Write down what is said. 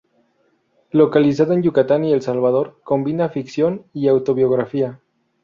Localizada en Yucatán y El Salvador, combina ficción y autobiografía.